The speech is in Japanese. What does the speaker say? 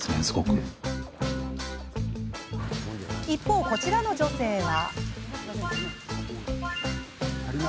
一方、こちらの女性は。